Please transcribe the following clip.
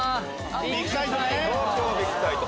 ビッグサイトね！